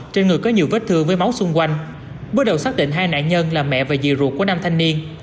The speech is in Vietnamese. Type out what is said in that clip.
trên người có nhiều vết thương với máu xung quanh bước đầu xác định hai nạn nhân là mẹ và diều ruột của nam thanh niên